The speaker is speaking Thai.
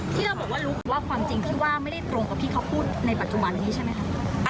ที่เราบอกว่ารู้คือว่าความจริงที่ว่าไม่ได้ตรงกับที่เขาพูดในปัจจุบันนี้ใช่ไหมคะ